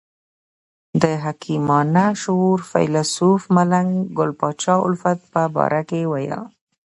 د حکیمانه شعور فیلسوف ملنګ ګل پاچا الفت په باره کې ویل.